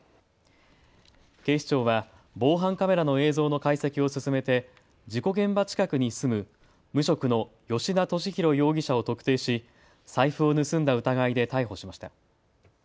警視庁は防犯カメラの映像の解析を進めて事故現場近くに住む無職の吉田俊博容疑者を特定し財布を盗んだ疑いで逮捕しました。